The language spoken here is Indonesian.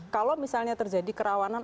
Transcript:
kalau misalnya terjadi kerawanan